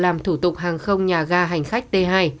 làm thủ tục hàng không nhà ga hành khách t hai